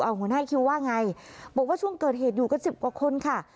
หัวหน้าคิวว่าไงบอกว่าช่วงเกิดเหตุอยู่กันสิบกว่าคนค่ะ